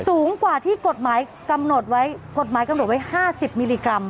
สูงกว่าที่กฎหมายกำหนดไว้๕๐มิลลิกรัม